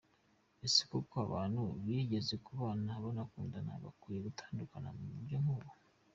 Ese koko abantu bigeze kubana banakundana, bakwiye gutandukana mu buryo nk'ubu?.